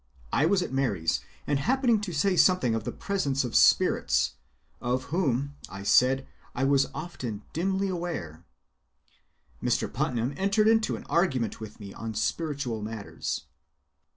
I was at Mary's, and happening to say something of the presence of spirits (of whom, I said, I was often dimly aware), Mr. Putnam entered into an argument with me on spiritual matters.